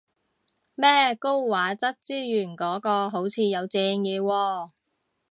咩高畫質資源嗰個好似有正嘢喎